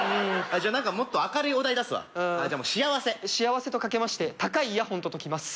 じゃ何かもっと明るいお題出すわあっじゃもう幸せ幸せと掛けまして高いイヤホンと解きます